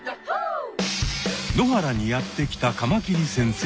野原にやって来たカマキリ先生。